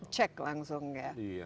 cek langsung ya